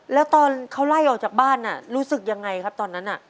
แล้วตอนเขาไล่ออกจากบ้านรู้สึกยังไงครับตอนนั้น